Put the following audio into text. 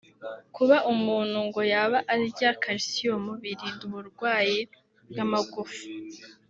Kuba umuntu ngo yaba arya Calcium birinda uburwayi bw’amagufa